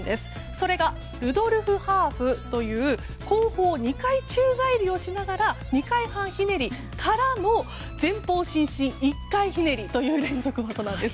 それがルドルフハーフという後方２回宙返りをしながら２回半ひねりからの前方伸身１回ひねりという連続技なんです。